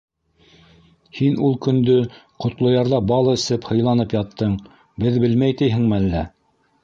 Һин ул көндө Ҡотлоярҙа бал эсеп, һыйланып яттың, беҙ белмәй тиһеңме әллә?